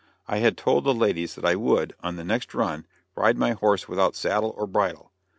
I had told the ladies that I would, on the next run, ride my horse without saddle or bridle.